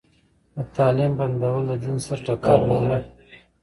د تعليم بندول د دین سره ټکر لري.